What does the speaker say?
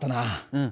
うん。